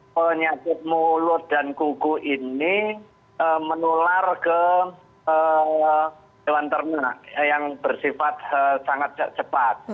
penyakit mulut dan kuku ini menular ke hewan ternak yang bersifat sangat cepat